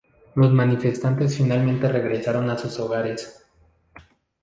Los manifestantes finalmente regresaron a sus hogares.